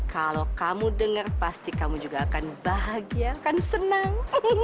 kalau kamu dengar pasti kamu juga akan bahagia kan senang